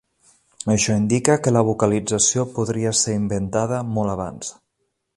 Això indica que la vocalització podria ser inventada molt abans.